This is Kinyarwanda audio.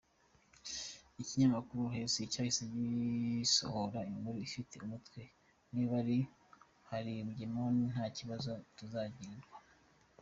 Ikinyamakuru Haaretz cyahise gisohora inkuru ifite umutwe “Niba ari na Harimagedoni nta kibazo tuzayirwana.